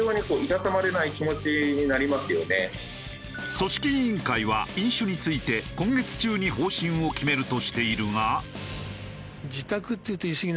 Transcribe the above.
組織委員会は飲酒について今月中に方針を決めるとしているが。